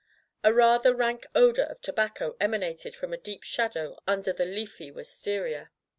A rather rank odor of tobacco emanated from a deep shadow under the leafy wistaria.